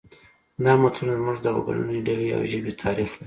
دا متلونه زموږ د وګړنۍ ډلې او ژبې تاریخ لري